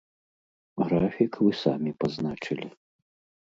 Графік вы самі пазначылі.